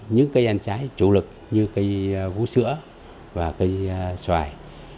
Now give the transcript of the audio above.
những cây ăn trái trụ lực như cây vũ sữa và cây xoài